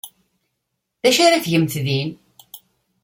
D acu ara tgemt din?